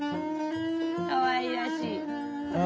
かわいらしい。